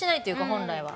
本来は。